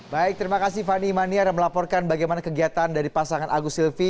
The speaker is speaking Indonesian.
baik terima kasih fani maniar yang melaporkan bagaimana kegiatan dari pasangan agus silvi